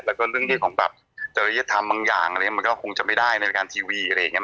แล้วก็เรื่องของแบบจริยธรรมบางอย่างอะไรอย่างนี้มันก็คงจะไม่ได้ในรายการทีวีอะไรอย่างนี้